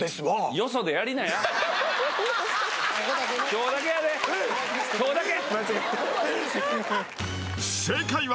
今日だけやで今日だけ。